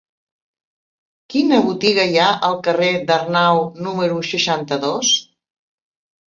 Quina botiga hi ha al carrer d'Arnau número seixanta-dos?